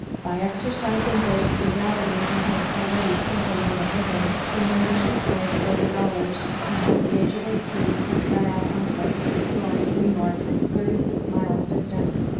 By exercising great frugality in his already simple mode of living, he managed to save forty dollars, and at the age of eighteen he set out on foot for Troy, New York, thirty six miles distant.